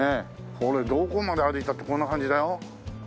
これどこまで歩いたってこんな感じだよ。